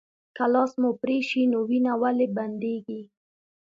که لاس مو پرې شي نو وینه ولې بندیږي